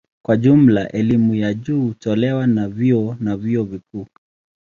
Kwa jumla elimu ya juu hutolewa na vyuo na vyuo vikuu.